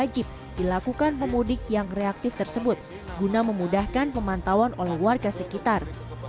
wajib dilakukan pemudik yang reaktif tersebut guna memudahkan pemantauan oleh warga sekitar